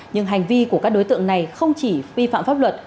nhưng hành vi của các đối tượng này không chỉ vi phạm pháp luật